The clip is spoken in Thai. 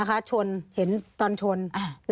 มีความรู้สึกว่ามีความรู้สึกว่า